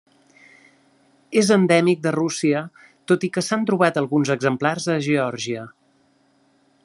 És endèmic de Rússia, tot i que s'han trobat alguns exemplars a Geòrgia.